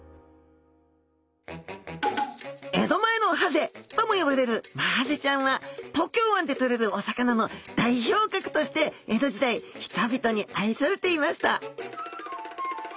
江戸前のハゼとも呼ばれるマハゼちゃんは東京湾でとれるお魚の代表格として江戸時代人々に愛されていました